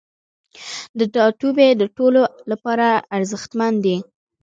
دا ټاتوبی د ټولو لپاره ارزښتمن دی